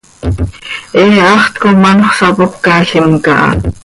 He haxt com anxö sapócalim caha.